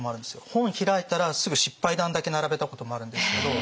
本開いたらすぐ失敗談だけ並べたこともあるんですけど。